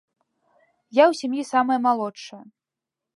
Я ў сям'і самая малодшая.